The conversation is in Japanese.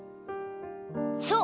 そう！